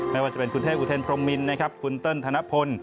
ไม่ว่าจะเป็นคุณเทพอุเทนพรมมินคุณเต้นธนพล